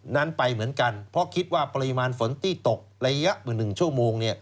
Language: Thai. นั้นไปเหมือนกันเพราะคิดว่าปริมาณฝนที่ตกระยะกว่า๑ชั่วโมง